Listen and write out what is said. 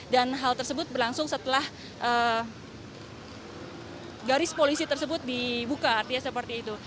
dan hal tersebut berlangsung setelah garis polisi tersebut dibuka artinya seperti itu